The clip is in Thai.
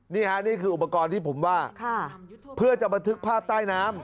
นี่ค่ะนี่คืออุปกรณ์ที่ผมว่าเพื่อจะบันทึกภาพใต้น้ำ